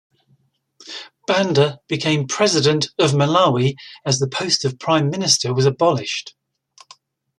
Banda became President of Malawi as the post of prime minister was abolished.